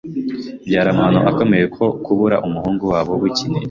Byari amahano akomeye kuri bo kubura umuhungu wabo w'ikinege.